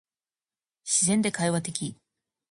自然で会話的